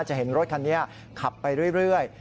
จะเห็นรถคันนี้ขับไปเรื่อย